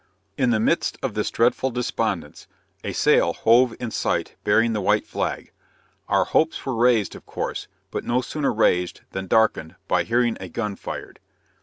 In the midst of this dreadful despondence, a sail hove in sight bearing the white flag! Our hopes were raised, of course but no sooner raised than darkened, by hearing a gun fired.